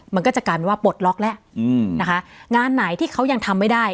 มันก็จะกลายเป็นว่าปลดล็อกแล้วนะคะงานไหนที่เขายังทำไม่ได้